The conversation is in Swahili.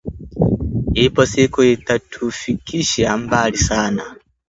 Ipo siku itatufikisha mbali sana